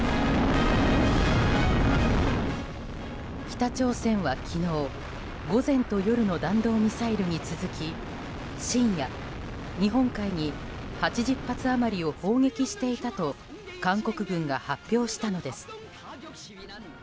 北朝鮮は昨日午前と夜の弾道ミサイルに続き深夜、日本海に８０発余りを砲撃していたと韓国軍が発表したのです。